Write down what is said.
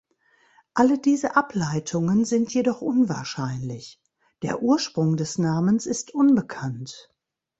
Alle diese Ableitungen sind jedoch unwahrscheinlich; der Ursprung des Namens ist unbekannt.